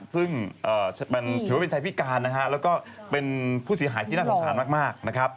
ซึ่งถือว่าเป็นชายพิการและเป็นผู้เสียหายที่น่าสงสารมาก